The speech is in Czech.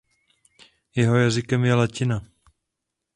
Jeho jazykem je latina.